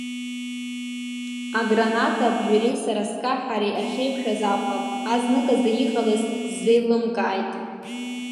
Аграната аԥжәареи сара скаҳареи ахьеиқәшәаз акәхап, азнык азы иҟалаз сзеилымкааит.